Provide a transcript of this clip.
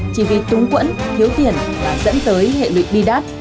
chỉ vì túng quẫn thiếu tiền và dẫn tới hệ lụy bi đáp